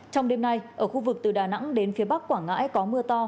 trong đêm nay ở khu vực từ đà nẵng đến phía bắc quảng ngãi có mưa to